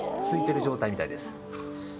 ついてる状態みたいです。